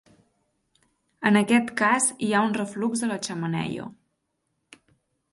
En aquest cas hi ha un reflux a la xemeneia.